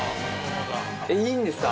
いいんですか？